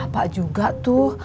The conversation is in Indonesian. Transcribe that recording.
pak juga tuh